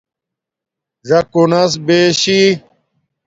ژَکُݸنس بیشی